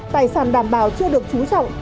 tài sản đảm bảo chưa được trú trọng